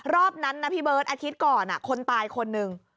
รอบนั้นนะพี่เบิร์ตอาทิตย์ก่อนคนตายคนหนึ่ง